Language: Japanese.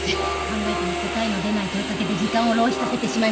考えても答えの出ない問い掛けで時間を浪費させてしまいました。